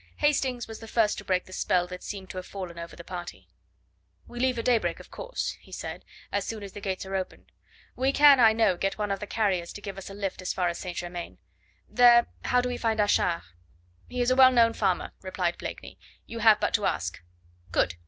Hastings was the first to break the spell that seemed to have fallen over the party. "We leave at daybreak, of course," he said, "as soon as the gates are open. We can, I know, get one of the carriers to give us a lift as far as St. Germain. There, how do we find Achard?" "He is a well known farmer," replied Blakeney. "You have but to ask." "Good.